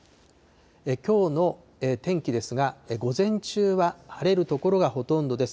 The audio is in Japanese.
きょうの天気ですが、午前中は晴れる所がほとんどです。